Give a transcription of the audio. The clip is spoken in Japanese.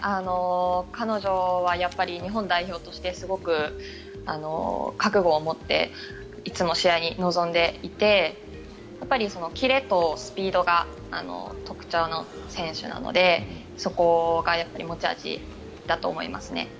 彼女はやっぱり日本代表としてすごく覚悟を持っていつも試合に臨んでいてキレとスピードが特徴の選手なのでそこが持ち味だと思いますね。